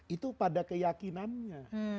itu pada keyakinannya